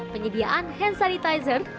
penyediaan hand sanitizer